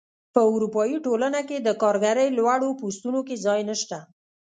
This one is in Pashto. په اروپايي ټولنه کې د کارګرۍ لوړو پوستونو کې ځای نشته.